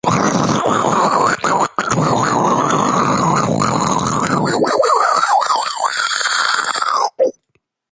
You are a dreamer to seek what is not to be found here below.